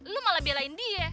lo malah belain dia